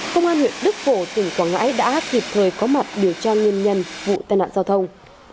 công an huyện đức phổ tỉnh quảng ngãi đã kịp thời có mặt điều tra nguyên nhân vụ tai nạn giao thông